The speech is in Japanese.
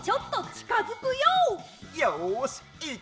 よしいけ！